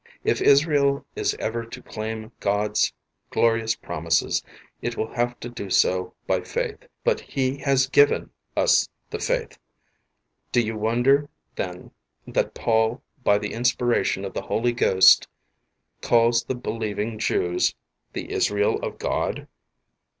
If Israel is ever to claim God's glorious promises it will have to do so by faith, but He has given us the faith, do you won der then that Paul by the inspiration of the Holy Ghost calls the believing Jews "The Israel of God?'.'